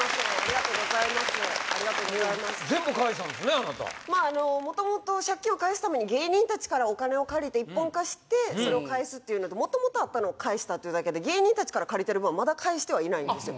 あなた元々借金を返すために芸人達からお金を借りて一本化してそれを返すっていうので元々あったのを返したっていうだけで芸人達から借りてる分はまだ返してはいないんですよ